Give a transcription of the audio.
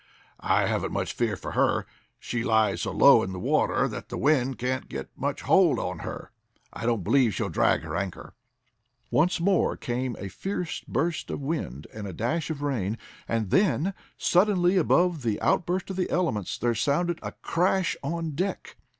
"I haven't much fear for her. She lies so low in the water that the wind can't get much hold on her. I don't believe she'll drag her anchor." Once more came a fierce burst of wind, and a dash of rain, and then, suddenly above the outburst of the elements, there sounded a crash on deck.